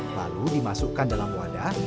lalu dimasukkan dalam wadah